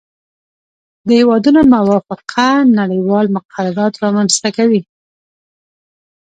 د هیوادونو موافقه نړیوال مقررات رامنځته کوي